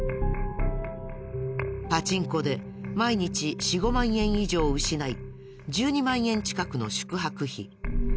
パチンコで毎日４５万円以上失い１２万円近くの宿泊費。